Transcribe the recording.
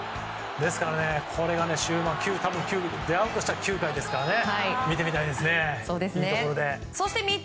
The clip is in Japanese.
ですからこれが出会うとしたら９回ですから見てみたいですね。